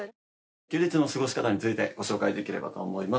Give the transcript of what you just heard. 休日の過ごし方についてご紹介できればと思います。